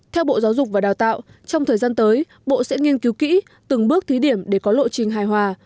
theo bộ giáo dục và đào tạo trong thời gian tới bộ sẽ nghiên cứu kỹ từng bước thí điểm để có lộ trình hài hòa